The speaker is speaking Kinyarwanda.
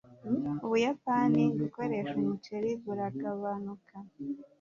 ubuyapani gukoresha umuceri buragabanuka